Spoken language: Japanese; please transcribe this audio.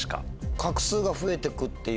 画数が増えてくっていう。